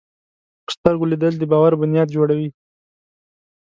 په سترګو لیدل د باور بنیاد جوړوي